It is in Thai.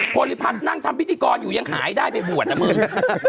โพลิพัฒน์นั่งทำพิธีกรอยู่ยังหายได้ไปบวชนะมึง